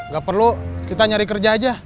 gak perlu kita nyari kerja aja